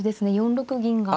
４六銀が。